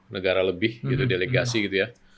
negara lebih gitu delegasi gitu ya